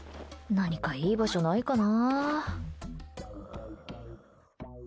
何かいい場所ないかな。